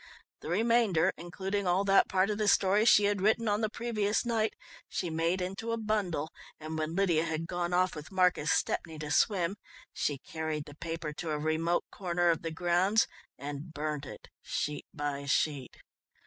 The remainder, including all that part of the story she had written on the previous night, she made into a bundle, and when Lydia had gone off with Marcus Stepney to swim, she carried the paper to a remote corner of the grounds and burnt it sheet by sheet.